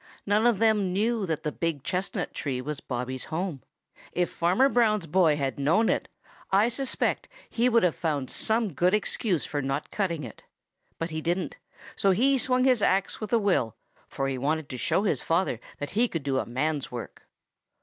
None of them knew that the big chestnut tree was Bobby's home. If Farmer Brown's boy had known it, I suspect that he would have found some good excuse for not cutting it. But he didn't, and so he swung his axe with a will, for he wanted to show his father that he could do a man's work.